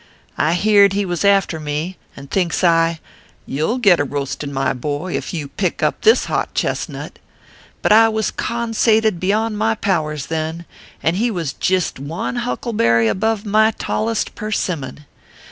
" I heerd he was after me, and thinks I you ll get a roastin , my boy, ef you pick up this hot chest nut : but I was consated beyond my powers then, and he was jist one huckleberry above my tallest persimmon.